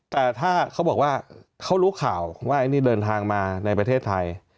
แต่ถ้าเขาบอกว่าเขารู้ข่าวว่าไอ้นี่เดินทางมาในประเทศไทย